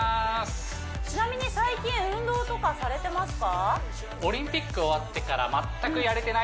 ちなみに最近運動とかされてますか？